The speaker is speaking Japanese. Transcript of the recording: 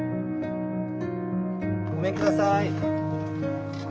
ごめんください。